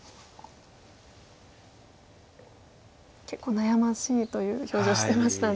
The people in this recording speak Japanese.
結構悩ましいという表情してましたね。